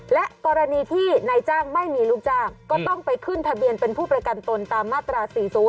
และกรณีที่นายจ้างไม่มีลูกจ้างก็ต้องไปขึ้นทะเบียนเป็นผู้ประกันตนตามมาตรา๔๐